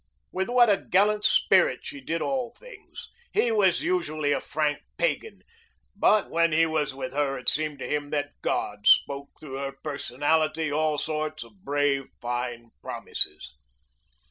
With what a gallant spirit she did all things! He was usually a frank pagan, but when he was with her it seemed to him that God spoke through her personality all sorts of brave, fine promises.